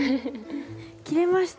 切れました。